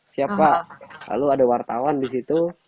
siapa lalu ada wartawan disitu